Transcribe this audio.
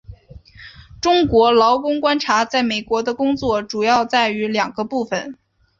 中国劳工观察在美国的工作主要在于两个部份。